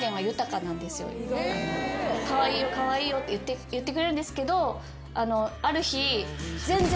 「カワイイよカワイイよ」って言ってくれるんですけどある日。